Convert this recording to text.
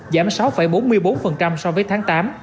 giảm sáu bốn mươi bốn so với tháng tám